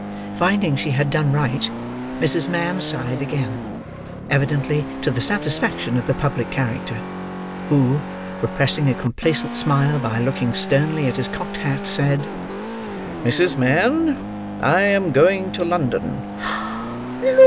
Finding she had done right, Mrs. Mann sighed again: evidently to the satisfaction of the public character: who, repressing a complacent smile by looking sternly at his cocked hat, said, "Mrs. Mann, I am going to London."